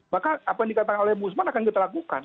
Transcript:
maka apa yang dikatakan oleh bu usman akan kita lakukan